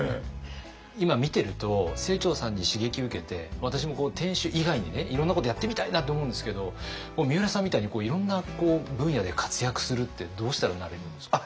今見てると清張さんに刺激受けて私も店主以外にいろんなことやってみたいなって思うんですけどみうらさんみたいにいろんな分野で活躍するってどうしたらなれるんですか？